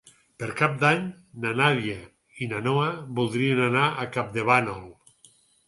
Per Cap d'Any na Nàdia i na Noa voldrien anar a Campdevànol.